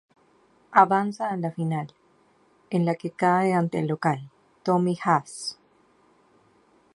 Avanza a la final, en la que cae ante el local Tommy Haas.